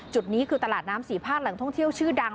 จุดนี้คือตลาดน้ำศรีภาคแหล่งท่องเที่ยวชื่อดัง